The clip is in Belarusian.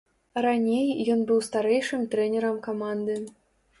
Раней ён быў старэйшым трэнерам каманды.